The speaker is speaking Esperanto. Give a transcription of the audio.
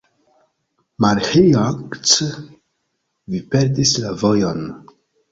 Maĥiac, vi perdis la vojon.